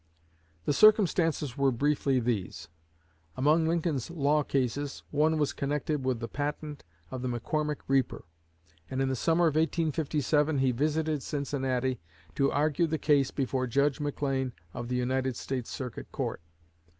The circumstances were briefly these: Among Lincoln's law cases was one connected with the patent of the McCormick Reaper; and in the summer of 1857 he visited Cincinnati to argue the case before Judge McLean of the United States Circuit Court.